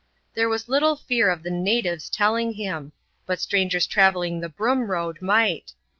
There was little fear of the natives telling him ; but strangers travelling the Broom Road might.